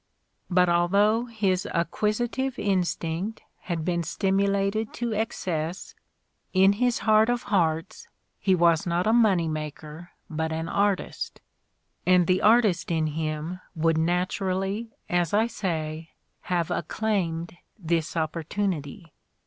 But although his acquisitive instinct had been stimulated to excess, in his heart of hearts he was not a money maker but an artist, and the artist in him would naturally, as I say, have acclaimed this opportunity.